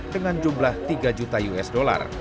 dengan jumlah tiga juta usd